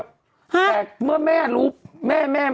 แต่เมื่อแม่รู้แม่แม่